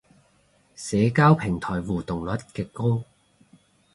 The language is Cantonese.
社交平台互動率極高